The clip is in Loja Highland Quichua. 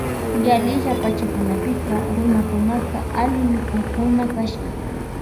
Yalisha pachakunapika runakunaka alli mikukkuna kashka.